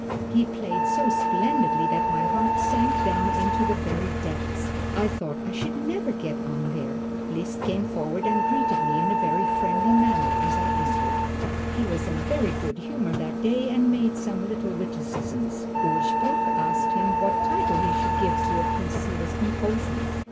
He played so splendidly that my heart sank down into the very depths. I thought I should never get on there! Liszt came forward and greeted me in a very friendly manner as I entered. He was in a very good humor that day, and made some little witticisms. Urspruch asked him what title he should give to a piece he was composing.